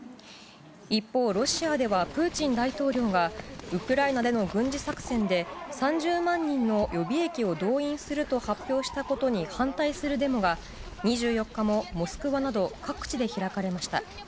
一方、ロシアではプーチン大統領がウクライナでの軍事作戦で、３０万人の予備役を動員すると発表したことに反対するデモが、２４日もモスクワなど、各地で開かれました。